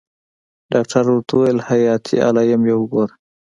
ډاکتر ورته وويل حياتي علايم يې وګوره.